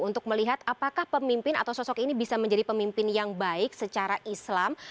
untuk melihat apakah pemimpin atau sosok ini bisa menjadi pemimpin yang baik secara islam